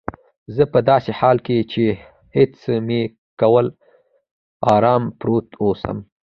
زه په داسې حال کې چي هڅه مې کول آرام پروت اوسم.